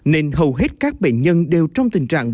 nên hầu hết các bệnh nhân đều trong tình trạng